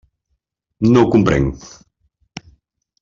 No ho comprenc.